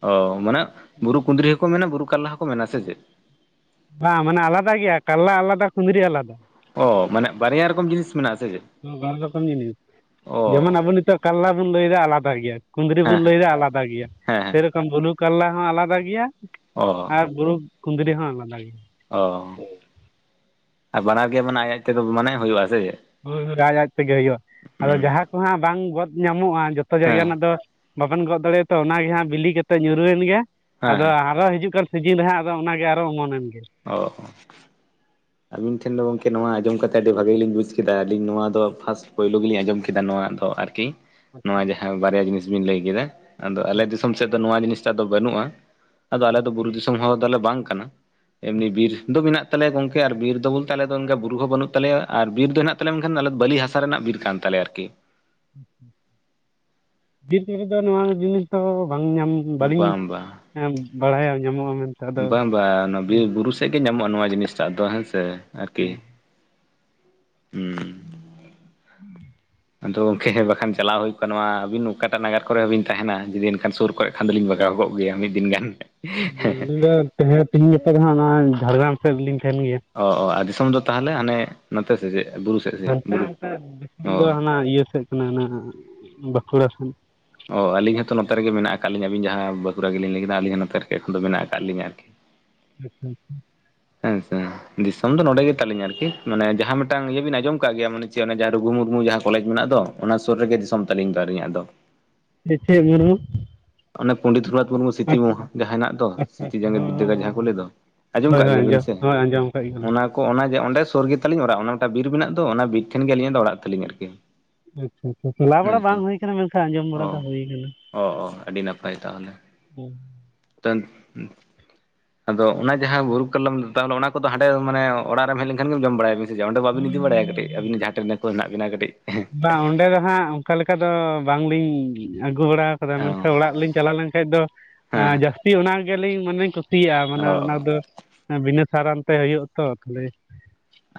ᱚ ᱢᱟᱱᱮ ᱵᱩᱨᱩ ᱠᱩᱸᱫᱽᱨᱤ ᱦᱚᱸᱠᱚ ᱢᱮᱱᱟ ᱵᱩᱨᱩ ᱠᱚᱨᱞᱟ ᱦᱚᱸᱠᱚ ᱢᱮᱱᱟ ᱥᱮ ᱪᱮᱫ? ᱵᱟᱸ ᱢᱟᱱᱮ ᱟᱞᱟᱫᱟ ᱜᱮᱭᱟ ᱠᱟᱞᱞᱟ ᱟᱞᱟᱫᱟ ᱠᱩᱸᱫᱽᱨᱤ ᱟᱞᱟᱫᱟ᱾ ᱚ ᱢᱟᱱᱮ ᱵᱟᱨᱭᱟ ᱨᱚᱠᱚᱢ ᱡᱤᱱᱤᱥ ᱢᱮᱱᱟᱜᱼᱟ ᱟᱥᱮ ᱪᱮᱫ? ᱵᱟᱨ ᱨᱚᱠᱚᱢ ᱡᱤᱱᱤᱥ ᱚ ᱡᱮᱢᱚᱱ ᱟᱵᱚ ᱱᱤᱛᱚᱜ ᱠᱟᱨᱞᱟ ᱵᱚᱱ ᱞᱟᱹᱭ ᱮᱫᱟ ᱟᱞᱟᱫᱟ ᱜᱮᱭᱟ᱾ ᱠᱩᱸᱫᱽᱨᱤ ᱦᱮᱸ ᱵᱚᱱ ᱦᱮᱸ ᱞᱟᱹᱭᱫᱟ ᱟᱞᱟᱫᱟ ᱜᱮᱭᱟ ᱦᱮᱸ ᱦᱮᱸ ᱥᱮᱨᱠᱚᱢ ᱵᱩᱨᱩ ᱠᱟᱨᱞᱟ ᱦᱚᱸ ᱟᱞᱟᱫᱟ ᱜᱮᱭᱟ᱾ ᱚ ᱟᱨ ᱵᱩᱨᱩᱵ ᱠᱩᱸᱫᱽᱨᱤ ᱦᱚᱸ ᱟᱞᱟᱫᱟ ᱜᱮᱭᱟ᱾ ᱚ ᱟᱨ ᱵᱟᱱᱟᱨ ᱜᱮ ᱢᱟᱱᱮ ᱟᱡ ᱟᱡᱛᱮ ᱛᱮᱫᱚ ᱢᱟᱱᱮ ᱦᱩᱭᱩᱜᱼᱟ ᱥᱮ? ᱦᱳᱭ ᱦᱳᱭ ᱟᱡ ᱟᱡᱛᱮᱜᱮ ᱦᱩᱭᱩᱜᱼᱟ ᱟᱫᱚ ᱦᱩᱸ ᱡᱟᱦᱟᱸ ᱠᱚᱦᱟᱸᱜ ᱵᱟᱝ ᱜᱚᱫ ᱧᱟᱢᱚᱜᱼᱟ ᱡᱚᱛᱚ ᱡᱟᱭᱜᱟ ᱦᱮᱸ ᱨᱮᱱᱟᱜ ᱫᱚ ᱵᱟᱵᱮᱱ ᱜᱚᱜ ᱫᱟᱲᱮᱭᱟᱛᱚ ᱚᱱᱟᱜᱮ ᱦᱟᱸᱜ ᱵᱤᱞᱤ ᱠᱟᱛᱮᱜ ᱧᱩᱨᱦᱟᱹᱭᱮᱱ ᱜᱮᱭᱟ ᱦᱮᱸ ᱟᱫᱚ ᱦᱮᱸ ᱟᱨᱚ ᱦᱤᱡᱩᱜ ᱠᱟᱱ ᱥᱤᱡᱤᱱ ᱨᱮᱦᱟᱸᱜ ᱟᱫᱚ ᱚᱱᱟᱜᱮ ᱟᱨᱚ ᱚᱢᱚᱱᱮᱱ, ᱜᱤ ᱚ [inaudible] ᱟᱵᱤᱱ ᱴᱷᱮᱱ ᱫᱚ ᱜᱚᱝᱠᱮ ᱱᱚᱣᱟ ᱟᱸᱡᱚᱢ ᱠᱟᱛᱮᱫ ᱟᱹᱰᱤ ᱵᱷᱟᱜᱮ ᱜᱮᱞᱤᱧ ᱵᱩᱡᱽ ᱠᱮᱫᱟ ᱟᱹᱞᱤᱧ ᱱᱚᱶᱟ ᱫᱚ ᱯᱷᱟᱥᱴ ᱯᱳᱭᱞᱳ ᱜᱮᱞᱤᱧ ᱟᱸᱚᱢ ᱠᱮᱫᱟ ᱱᱚᱶᱟ ᱫᱚ ᱟᱨᱠᱤ ᱠᱤᱝ ᱱᱚᱣᱟ ᱡᱟᱦᱟᱸ ᱵᱟᱨᱭᱟ ᱡᱤᱱᱤᱥ ᱵᱤᱱ ᱞᱟᱹᱭ ᱠᱮᱫᱟ ᱟᱫᱚ ᱟᱞᱮ ᱫᱤᱥᱚᱢ ᱥᱮᱫ ᱫᱚ ᱱᱚᱣᱟ ᱡᱤᱱᱤᱥᱴᱟᱜ ᱫᱚ ᱵᱟᱹᱱᱩᱜᱼᱟ ᱟᱫᱚ ᱟᱞᱮ ᱫᱚ ᱵᱩᱨᱩ ᱫᱤᱥᱚᱢ ᱦᱚᱲ ᱫᱚᱞᱮ ᱵᱟᱝ ᱠᱟᱱᱟ ᱮᱢᱱᱤ ᱵᱤᱨ ᱫᱚ ᱢᱮᱱᱟᱜ ᱛᱟᱞᱮᱭᱟ ᱜᱚᱝᱠᱮ ᱟᱨ ᱵᱤᱨ ᱫᱚ ᱵᱚᱞᱛᱮ ᱟᱞᱮ ᱫᱚ ᱚᱱᱠᱟ ᱵᱩᱨᱩ ᱦᱚᱸ ᱵᱟᱹᱱᱩᱜ ᱛᱟᱞᱮᱭᱟ ᱟᱨ ᱵᱤᱨ ᱫᱚ ᱦᱮᱱᱟᱜ ᱛᱟᱞᱮᱭᱟ ᱢᱮᱱᱠᱷᱟᱱ ᱟᱞᱮ ᱵᱟᱹᱞᱤ ᱦᱟᱥᱟ ᱨᱮᱱᱟᱜ ᱵᱤᱨ ᱠᱟᱱ ᱛᱟᱞᱮ ᱟᱨᱠᱤ [inaudible] ᱵᱤᱨ [unintelligible] ᱨᱮ ᱫᱚ ᱱᱚᱣᱟ ᱡᱤᱱᱤᱥ ᱫᱚ ᱵᱟᱝ ᱧᱟᱢ ᱵᱟᱹᱞᱤᱧ ᱵᱟᱝ ᱵᱟᱝ ᱮᱢ ᱵᱟᱲᱟᱭᱟ ᱧᱟᱢᱚᱜᱼᱟ ᱢᱮᱱ ᱵᱟᱝ ᱵᱟᱝ ᱚᱱᱟ ᱵᱤᱨ ᱵᱩᱨᱩ ᱥᱮᱫ ᱜᱤ ᱧᱟᱢᱚᱜᱼᱟ ᱱᱚᱣᱟ ᱡᱤᱱᱤᱥᱴᱟᱜ ᱫᱚ ᱦᱮᱸ ᱥᱮ ᱟᱨᱠᱤ ᱦᱩᱸ ᱟᱫᱚ ᱜᱚᱝᱠᱮ ᱵᱟᱠᱷᱟᱱ ᱪᱟᱞᱟᱣ ᱦᱩᱭ ᱠᱚᱜ-ᱟ ᱱᱚᱣᱟ ᱟᱹᱵᱤᱱ ᱚᱠᱟᱴᱟᱜ ᱱᱟᱜᱟᱨ ᱠᱚᱨᱮ ᱦᱚᱸ ᱵᱤᱱ ᱛᱟᱦᱮᱱᱟ ᱡᱩᱫᱤ ᱮᱱᱠᱷᱟᱱ ᱥᱩᱨ ᱠᱚ ᱟᱫᱚᱞᱤᱧ ᱵᱷᱟᱜᱟᱣ ᱠᱚᱜ ᱜᱮᱭᱟ ᱢᱤᱫ ᱫᱤᱱ ᱜᱟᱱ ᱟᱹᱞᱤᱧ ᱫᱚ ᱛᱮᱦᱮ ᱛᱤᱦᱤᱧ ᱜᱟᱯᱟ ᱫᱚ ᱦᱟᱸᱜ ᱚᱱᱟ ᱡᱷᱟᱲᱜᱨᱟᱢ ᱥᱮᱫ ᱨᱮ ᱞᱤᱧ ᱛᱟᱦᱮᱱ ᱜᱮᱭᱟ ᱚ ᱚ ᱫᱤᱥᱚᱢ ᱫᱚ ᱛᱟᱦᱚᱞᱮ ᱦᱟᱱᱮ ᱱᱚᱛᱮ ᱥᱮ ᱪᱮᱜ ᱵᱩᱨᱩ ᱥᱮ ᱥᱮᱫ ᱦᱟᱱᱛᱮ ᱵᱩᱨᱩ [unintelligible] ᱫᱤᱥᱚᱢ ᱫᱚ ᱚ ᱦᱟᱱᱟ ᱤᱭᱟᱹ ᱥᱮᱫ ᱠᱟᱱᱟ ᱦᱟᱱᱟ ᱟᱸ ᱟᱸ ᱵᱟᱸᱠᱩᱲᱟ ᱥᱮᱱ ᱚ ᱟᱹᱞᱤᱧ ᱦᱚᱸᱛᱚ ᱱᱚᱛᱮ ᱨᱮᱜᱮ ᱢᱮᱱᱟᱜ ᱟᱠᱟᱫ ᱞᱤᱧᱟ ᱟᱹᱵᱤᱱ ᱡᱟᱦᱟᱸ ᱵᱟᱸᱠᱩᱲᱟ ᱜᱮᱞᱤᱧ ᱞᱟᱹᱭ ᱠᱮᱫᱟ ᱟᱹᱞᱤᱧ ᱦᱚᱸ ᱱᱚᱛᱮ, ᱨᱮᱜᱮ ᱮᱠᱷᱚᱱ ᱫᱚ ᱢᱮᱱᱟᱜ ᱟᱠᱟᱫ ᱞᱤᱧᱟ ᱟᱨᱠᱤ [unintelligible] ᱦᱮᱸᱱ ᱥᱮᱸ ᱫᱤᱥᱚᱢ ᱫᱚ ᱱᱚᱸᱰᱮ ᱜᱮ ᱛᱟᱹᱞᱤᱧᱟ ᱟᱨᱠᱤ ᱢᱟᱱᱮ ᱡᱟᱦᱟᱸ ᱢᱤᱫᱴᱟᱝ ᱤᱭᱟᱹ ᱵᱮᱱ ᱟᱸᱡᱚᱢ ᱠᱟᱜ ᱜᱮᱭᱟ ᱢᱟᱱᱮ ᱪᱮᱫ ᱡᱟᱦᱟᱸ ᱨᱩᱜᱷᱩ ᱢᱩᱨᱢᱩ ᱡᱟᱦᱟᱸ ᱠᱚᱞᱮᱡᱽ ᱢᱮᱱᱟᱜ ᱫᱚ ᱚᱱᱟ ᱥᱩᱨ ᱨᱮᱜᱮ ᱫᱤᱥᱚᱢ ᱛᱟᱹᱞᱤᱧ ᱫᱚ ᱟᱹᱞᱤᱧᱟᱜ ᱫᱚ ᱦᱮᱸ ᱪᱮᱫ ᱢᱩᱨᱢᱩ? ᱚᱱᱮ ᱯᱚᱸᱰᱮᱛ ᱨᱚᱜᱩᱱᱟᱛᱷ ᱢᱩᱨᱢᱩ ᱥᱨᱤᱛᱤ ᱟᱪᱪᱷᱟ ᱢᱳᱲ ᱡᱟᱦᱟᱸ ᱦᱮᱱᱟᱜ ᱛᱚ ᱟᱪᱪᱷᱟ ᱥᱨᱤᱛᱤ ᱟᱪᱪᱷᱟ ᱡᱟᱸᱜᱮᱛ ᱦᱚᱸ ᱵᱤᱫᱽᱫᱟᱹᱜᱟᱲ ᱡᱟᱦᱟᱸ ᱠᱚ ᱦᱚᱸ ᱞᱟᱹᱭ ᱫᱚ ᱟᱸᱡᱚᱢ ᱦᱳᱭ ᱠᱟᱜ ᱦᱳᱭ ᱦᱳᱭ ᱜᱮᱭᱟᱵᱤᱱ ᱟᱸᱡᱚᱢ ᱥᱮ ᱦᱳᱭ ᱟᱸᱡᱚᱢ ᱠᱟᱜ ᱜᱮᱭᱟ ᱞᱮ ᱚᱱᱟ ᱠᱚ ᱚᱱᱟ ᱡᱮ ᱚᱸᱰᱮ ᱥᱩᱨ ᱜᱮᱛᱟᱞᱤᱧ ᱚᱲᱟᱜ ᱚᱱᱟ ᱢᱤᱫᱴᱟᱝ ᱵᱤᱨ ᱢᱮᱱᱟᱜ ᱫᱚ ᱚᱱᱟ ᱵᱤᱨ ᱴᱷᱮᱱ ᱜᱮ ᱟᱹᱞᱤᱧᱟᱜ ᱫᱚ ᱚᱲᱟᱜ ᱛᱟᱹᱞᱤᱧ ᱟᱨᱠᱤ ᱟᱪᱪᱷᱟ ᱟᱪᱪᱷᱟ ᱪᱟᱞᱟᱣ ᱵᱟᱲᱟ ᱵᱟᱝ ᱦᱮᱸᱥᱮ ᱦᱩᱭ ᱟᱠᱟᱱᱟ ᱢᱮᱱᱠᱷᱟᱱ ᱟᱸᱡᱚᱢ ᱚ ᱵᱟᱲᱟ ᱫᱚ ᱦᱩᱭ ᱠᱟᱱᱟ ᱚ ᱚ ᱟᱹᱰᱤ ᱱᱟᱯᱟᱭ ᱛᱟᱦᱚᱞᱮ ᱡᱟᱱ ᱚᱸ ᱟᱫᱚ ᱚᱱᱟ ᱡᱟᱦᱟᱸ ᱵᱩᱨᱩ ᱠᱟᱞᱚᱢ ᱛᱟᱦᱚᱞᱮ ᱚᱱᱟ ᱠᱚᱫᱚ ᱦᱟᱸᱰᱮ ᱢᱟᱱᱮ ᱚᱲᱟᱜ ᱨᱮᱢ ᱦᱮᱡ ᱞᱮᱱᱠᱷᱟᱱ ᱜᱮ ᱡᱚᱢ ᱵᱟᱲᱟᱭᱟ ᱵᱤ ᱚᱸᱰᱮ ᱵᱟᱵᱤᱱ ᱤᱫᱤ ᱵᱟᱲᱟᱭᱟ ᱠᱟᱹᱴᱤᱡ ᱟᱵᱤᱱ ᱡᱟᱦᱟᱸ ᱴᱷᱮᱱ ᱠᱚ ᱦᱮᱱᱟᱜ ᱵᱤᱱᱟ ᱠᱟᱹᱴᱤᱡ ᱚᱸᱰᱮ ᱫᱚ ᱦᱟᱸᱜ ᱚᱱᱠᱟ ᱞᱮᱠᱟ ᱫᱚ ᱵᱟᱝᱞᱤᱧ ᱟᱹᱜᱩ ᱵᱟᱲᱟᱣᱟ ᱠᱚᱨᱮ ᱚ ᱢᱮᱱᱠᱷᱟᱱ ᱚᱲᱟᱜ ᱞᱤᱧ ᱪᱟᱞᱟᱣ ᱞᱮᱱᱠᱷᱟᱱᱡ ᱫᱚ ᱦᱮᱸ ᱡᱟᱹᱥᱛᱤ ᱚᱱᱟ ᱜᱮᱞᱤᱧ ᱢᱟᱱᱮ ᱠᱩᱥᱤᱭᱟᱜᱼᱟ ᱢᱟᱱᱮ ᱚ ᱚ ᱚᱱᱟ ᱫᱚ ᱵᱤᱱᱟᱹ ᱥᱟᱨᱟᱱ ᱛᱮ ᱦᱩᱭᱩᱜᱼᱟ ᱛᱚ ᱛᱟᱦᱚᱞᱮ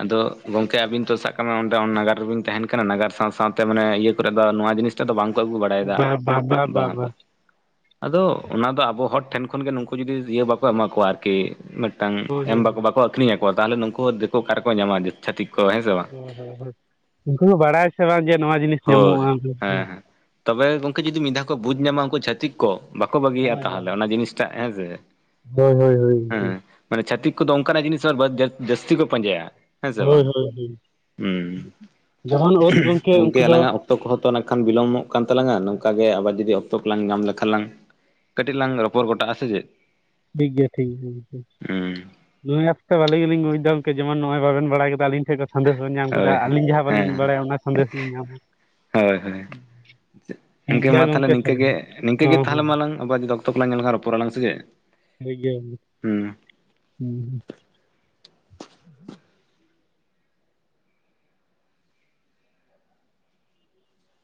ᱟᱫᱚ ᱜᱚᱝᱠᱮ ᱟᱵᱤᱱ ᱛᱚ ᱥᱟᱵ ᱠᱟᱜ ᱢᱮ ᱚᱸᱰᱮ ᱚᱱᱟ ᱱᱟᱜᱟᱨ ᱨᱮᱵᱤᱱ ᱛᱟᱦᱮᱱ ᱠᱟᱱᱟ ᱱᱟᱜᱟᱨ ᱥᱟᱶ ᱥᱟᱶᱛᱮ ᱢᱟᱱᱮ ᱤᱭᱟᱹ ᱠᱚᱨᱮ ᱫᱚ ᱱᱚᱣᱟ ᱡᱤᱱᱤᱥ ᱱᱤᱛᱚᱜ ᱫᱚ ᱵᱟᱝᱠᱚ ᱟᱹᱜᱩ ᱵᱟᱲᱟᱭᱮᱫᱟ ᱵᱟ ᱵᱟ ᱵᱟ ᱵᱟ ᱵᱟᱝ ᱵᱟ ᱵᱟᱝ ᱟᱫᱚ ᱚᱱᱟ ᱫᱚ ᱟᱵᱚ ᱦᱚᱲ ᱴᱷᱮᱱ ᱠᱷᱚᱱ ᱜᱮ ᱱᱩᱠᱩ ᱡᱩᱫᱤ ᱤᱭᱟᱹ ᱵᱟᱠᱚ ᱮᱢᱟ ᱠᱚᱣᱟ ᱟᱨᱠᱤ ᱢᱤᱫᱴᱟᱝ ᱦᱳᱭ ᱮᱢ ᱦᱳᱭ ᱵᱟᱠᱚ ᱵᱟᱠᱚ ᱟᱹᱠᱷᱨᱤᱧᱟᱠᱚ ᱛᱟᱦᱚᱞᱮ ᱱᱩᱠᱩ ᱫᱤᱠᱩ ᱚᱠᱟᱨᱠᱚ ᱧᱟᱢᱟ ᱪᱷᱟᱹᱛᱤᱠ ᱠᱚ ᱦᱮᱸ ᱥᱮ ᱵᱟᱝ ᱦ ᱦ ᱦᱭ ᱩᱱᱠᱩ ᱦᱚᱸ ᱵᱟᱲᱟᱭ ᱥᱮ ᱵᱟᱝ ᱡᱮ ᱱᱚᱣᱟ ᱡᱤᱱᱤᱥ ᱦᱳᱭ ᱧᱟᱢᱚᱜᱼᱟ ᱦᱮᱸ ᱦᱮᱸ ᱛᱚᱵᱮ ᱜᱚᱝᱠᱮ ᱡᱩᱫᱤ ᱢᱤᱫ ᱫᱷᱟᱣ ᱠᱚ ᱵᱩᱡ ᱧᱟᱢᱟ ᱩᱱᱠᱩ ᱪᱷᱟᱛᱤᱠ ᱠᱚᱜ ᱵᱟᱠᱚ ᱵᱟᱹᱜᱤᱭᱟᱜᱼᱟ ᱦᱳᱭ ᱦᱳᱭ ᱛᱟᱦᱚᱞᱮ ᱚᱱᱟ ᱡᱤᱱᱤᱥᱴᱟᱜ ᱦᱮᱸ ᱥᱮ ᱦᱳᱭ ᱦᱳᱭ ᱦᱮᱸ ᱦᱳᱭ ᱢᱟᱱᱮ ᱪᱷᱟᱛᱤᱠ ᱠᱚᱫᱚ ᱚᱱᱠᱟᱱᱟᱜ ᱡᱤᱱᱤᱥ ᱟᱨ ᱡᱟᱹᱥᱛᱤ ᱠᱚ ᱯᱟᱸᱡᱟᱭᱟ ᱦᱮᱸ ᱥᱮ ᱦᱳᱭ ᱵᱟᱝ ᱦᱳᱭ ᱦᱳᱭ ᱦᱩᱸ ᱡᱟᱦᱟᱱ ᱳᱫ ᱜᱚᱢᱠᱮ ᱩᱱᱠᱩ ᱜᱚᱝᱠᱮ ᱫᱚ ᱟᱞᱟᱝᱟᱜ ᱚᱠᱛᱚ ᱠᱚᱦᱚᱸ ᱛᱚ ᱱᱟᱜ ᱠᱷᱟᱱ ᱵᱤᱞᱚᱢᱚᱜ ᱠᱟᱱ ᱛᱟᱞᱟᱝᱟ ᱱᱚᱝᱠᱟᱟᱜ ᱜᱮ ᱟᱵᱟᱨ ᱡᱩᱫᱤ ᱚᱠᱛᱚ ᱠᱚᱞᱟᱝ ᱧᱟᱢ ᱞᱮᱠᱷᱟᱱ ᱞᱟᱝ ᱠᱟᱹᱴ ᱞᱟᱝ ᱨᱚ ᱯᱚᱨ ᱜᱚᱴᱟᱜᱼᱟ ᱥᱮ ᱪᱮᱫ ᱴᱷᱤᱠ ᱜᱮᱭᱟ ᱴᱷᱤᱠ ᱜᱮᱭᱟ ᱦᱩᱸ ᱱᱩᱭ ᱟᱥᱛᱮ ᱵᱟᱞᱤ ᱜᱮᱞᱤᱧᱵᱩᱡᱽ ᱫᱟ ᱚᱢᱠᱮ ᱡᱮᱢᱚᱱ ᱱᱚᱜᱼᱭ ᱵᱟᱵᱮᱱ ᱵᱟᱲ ᱠᱮᱫᱟᱞᱤᱧ ᱴᱷᱮᱱ ᱠᱚ ᱥᱟᱸᱫᱮᱥ ᱵᱮᱱ ᱧᱟᱢ ᱠᱮᱫᱟ ᱦᱳᱭ ᱟᱞᱤᱧ ᱡᱟᱦᱟᱸ ᱵᱟᱹᱞᱤᱧ ᱦᱮᱸ ᱵᱟᱲᱟᱭᱟ ᱚᱱᱟ ᱥᱟᱸᱫᱮᱥ ᱞᱤᱧ ᱧᱟᱢ ᱦᱳᱭ ᱦᱳᱭ ᱴᱷᱤᱠ ᱤᱱᱠᱮ ᱜᱮᱭᱟ ᱢᱟ ᱛᱟᱦᱚᱞᱮ ᱜᱚᱝᱠᱮ ᱱᱤᱝᱠᱟᱹᱜᱮ ᱱᱤᱝᱠᱟᱹᱜᱮ ᱦᱚᱸ ᱛᱟᱦᱚᱞᱮ ᱦᱚᱸ ᱢᱟ ᱟᱞᱝ ᱟᱵᱟᱨ ᱡᱩᱫᱤ ᱚᱠᱛᱚ ᱠᱚᱞᱟᱝ ᱧᱟᱢ ᱞᱮᱠᱷᱟᱱ ᱨᱚᱲᱟᱞᱟᱝ ᱥᱮᱡᱮ ᱴᱷᱤᱠᱜᱮᱭᱟ ᱢᱟ